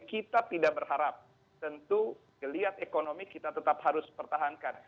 kita tidak berharap tentu geliat ekonomi kita tetap harus pertahankan